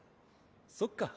そっか。